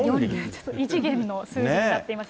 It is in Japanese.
異次元の数字になってます。